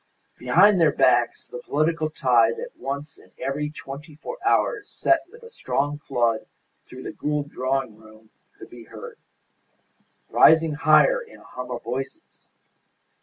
Behind their backs the political tide that once in every twenty four hours set with a strong flood through the Gould drawing room could be heard, rising higher in a hum of voices.